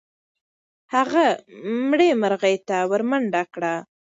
هغه مړې مرغۍ ته ورمنډه کړه.